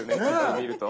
見ると。